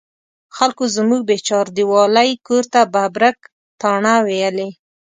خلکو زموږ بې چاردیوالۍ کور ته ببرک تاڼه ویلې.